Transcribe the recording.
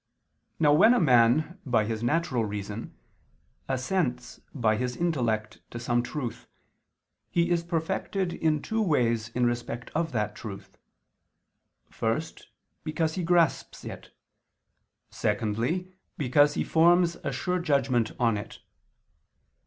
Now, when a man, by his natural reason, assents by his intellect to some truth, he is perfected in two ways in respect of that truth: first, because he grasps it; secondly, because he forms a sure judgment on it.